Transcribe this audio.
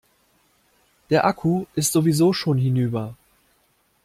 Der Akku ist sowieso schon hinüber.